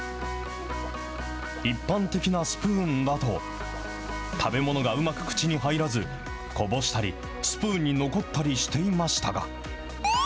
一般的なスプーンだと、食べ物がうまく口に入らず、こぼしたり、スプーンに残ったりしていましたが。